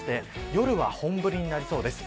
夜は本降りになりそうです。